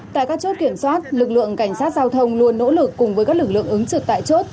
tại các chốt kiểm soát lực lượng cảnh sát giao thông luôn nỗ lực cùng với các lực lượng ứng trực tại chốt